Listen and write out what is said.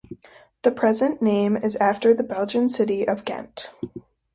The present name is after the Belgian city of Gent.